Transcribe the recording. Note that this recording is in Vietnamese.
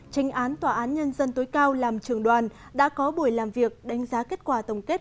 tranh án tòa án nhân dân tối cao làm trường đoàn đã có buổi làm việc đánh giá kết quả tổng kết